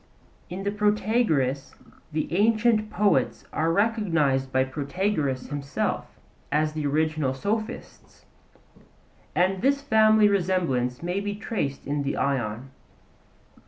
In the Protagoras the ancient poets are recognized by Protagoras himself as the original sophists; and this family resemblance may be traced in the Ion.